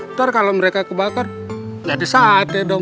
ntar kalau mereka kebakar jadi sate dong